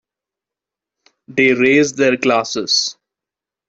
They raise their glasses.